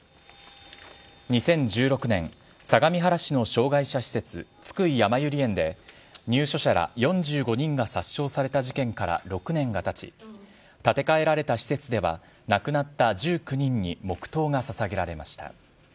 ２０１６年、相模原市の障害者施設、津久井やまゆり園で、入所者ら４５人が殺傷された事件から６年がたち、建て替えられた施設では、亡くなった１９人に黙とうがささげられました。